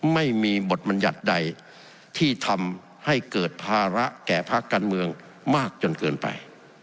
ไม่มีบทบัญญัติใดที่ทำให้เกิดภาระแก่ภาคการเมืองมากจนเกินไป